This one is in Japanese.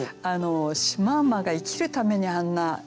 シマウマが生きるためにあんな模様してる。